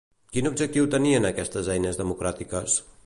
Quin objectiu tenien aquestes eines democràtiques?